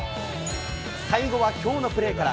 最後はきょうのプレーから。